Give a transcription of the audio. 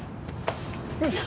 よいしょ！